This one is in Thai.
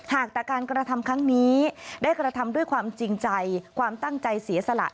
หากแต่การกระทำครั้งนี้ได้กระทำด้วยความจริงใจความตั้งใจเสียสละ